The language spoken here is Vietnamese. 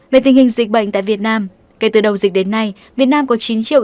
về tình hình dịch bệnh tại việt nam kể từ đầu dịch đến nay việt nam có chín triệu